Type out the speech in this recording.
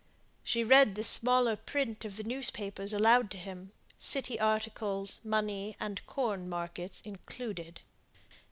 She read the smaller print of the newspapers aloud to him, city articles, money and corn markets included.